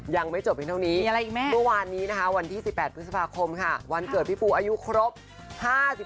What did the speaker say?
ยังไม่จบเพียงเท่านี้เมื่อวานนี้นะคะวันที่๑๘พฤษภาคมค่ะวันเกิดพี่ปูอายุครบ๕๔